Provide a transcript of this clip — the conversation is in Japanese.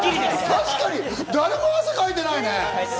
確かに誰も汗かいてないね。